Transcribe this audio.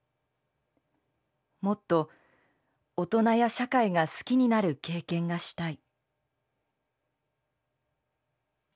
もっと大人や社会が好きになる経験がしたい」。